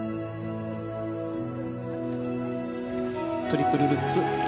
トリプルルッツ。